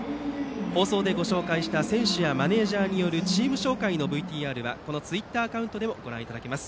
放送でご紹介した選手やマネージャーによるチーム紹介のＶＴＲはこのツイッターアカウントでもご覧いただけます。